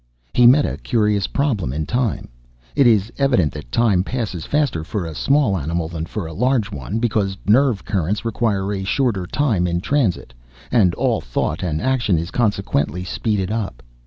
He met a curious problem in time. It is evident that time passes faster for a small animal than for a large one, because nerve currents require a shorter time in transit, and all thought and action is consequently speeded up.